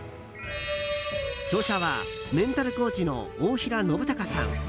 著者はメンタルコーチの大平信孝さん。